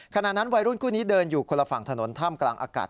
ขณะนั้นวัยรุ่นคู่นี้เดินอยู่คนละฝั่งถนนท่ามกลางอากาศ